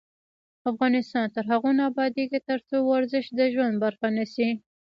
افغانستان تر هغو نه ابادیږي، ترڅو ورزش د ژوند برخه نشي.